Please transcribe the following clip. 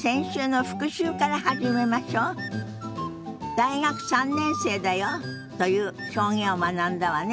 「大学３年生だよ」という表現を学んだわね。